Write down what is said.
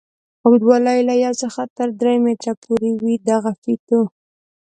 اوږدوالی یې له یوه څخه تر درې متره پورې وي دغه فیتو.